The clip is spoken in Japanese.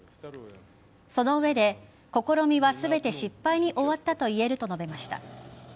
その上で、試みは全て失敗に終わったと言えると述べました。